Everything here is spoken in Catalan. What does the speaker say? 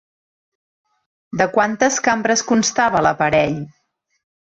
De quantes cambres constava l'aparell?